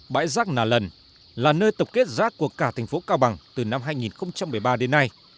bãi rác nà lần là nơi tập kết rác của cả thành phố cao bằng từ năm hai nghìn một mươi ba đến nay